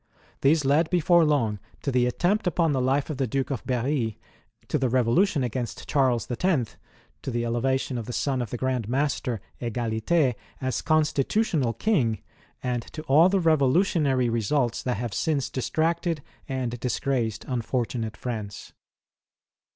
These led before long to the attempt upon the life of the Duke of Berry, to the revolution against Charles X., to the elevation of the son of the Grand Master, Egalite, as Constitutional King, and to all the revolutionary results that have since distracted and disgraced unfortunate France.